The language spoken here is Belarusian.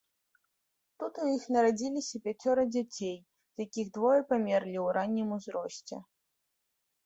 Тут у іх нарадзіліся пяцёра дзяцей, з якіх двое памерлі ў раннім узросце.